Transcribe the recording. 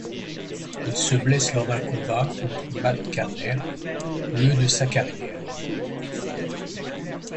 Il se blesse lors d'un combat contre Matt Carkner, le de sa carrière.